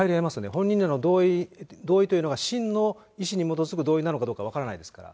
本人の同意というのが、真の意思に基づく同意なのかどうか分からないですから。